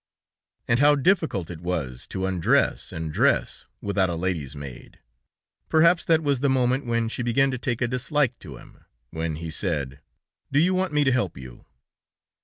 And how difficult it was to undress and dress without a lady's maid! Perhaps that was the moment when she began to take a dislike to him. When he said: "Do you want me to help you?"